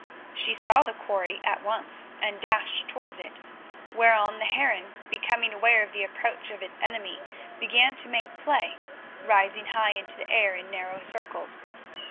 She saw the quarry at once and dashed towards it, whereon the heron, becoming aware of the approach of its enemy, began to make play, rising high into the air in narrow circles.